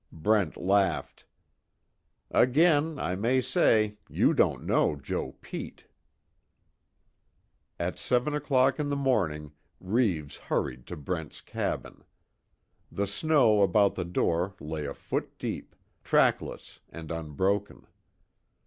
Brent laughed: "Again, I may say, you don't know Joe Pete." At seven o'clock in the morning Reeves hurried to Brent's cabin. The snow about the door lay a foot deep, trackless and unbroken.